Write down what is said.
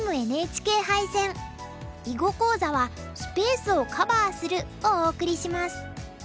囲碁講座は「スペースをカバーする」をお送りします。